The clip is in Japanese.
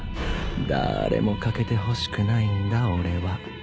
だぁれも欠けてほしくないんだ俺は。